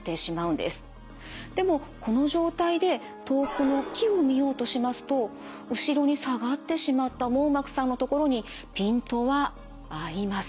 でもこの状態で遠くの木を見ようとしますと後ろに下がってしまった網膜さんのところにピントは合いません。